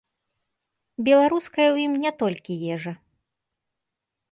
Беларуская ў ім не толькі ежа.